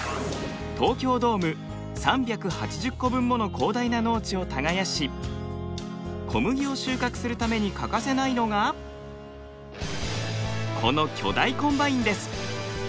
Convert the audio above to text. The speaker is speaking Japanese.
東京ドーム３８０個分もの広大な農地を耕し小麦を収穫するために欠かせないのがこの巨大コンバインです。